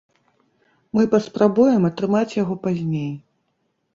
Мы паспрабуем атрымаць яго пазней.